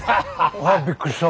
うわびっくりした！